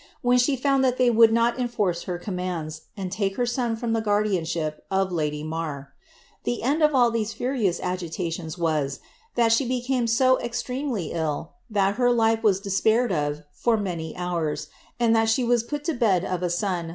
when she found lliat they would not fu\\ nt her commands, and take her son from ihe guardianship of lady Mar: The end of all these furious affiiations was, that she became sti n Iremety ill. that Iter lite was despaired of for many hours, and ihai *:? was put to bed of a son.